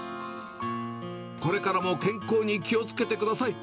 これからも健康に気をつけてください。